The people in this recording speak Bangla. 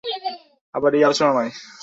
আবার এই আলোচনা নয়।